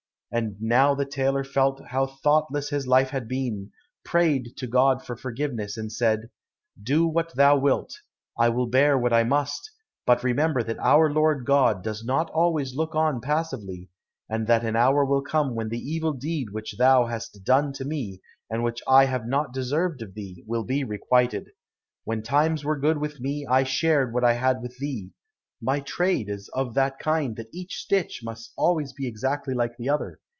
And now the tailor felt how thoughtless his life had been, prayed to God for forgiveness, and said, "Do what thou wilt, I will bear what I must, but remember that our Lord God does not always look on passively, and that an hour will come when the evil deed which thou hast done to me, and which I have not deserved of thee, will be requited. When times were good with me, I shared what I had with thee. My trade is of that kind that each stitch must always be exactly like the other.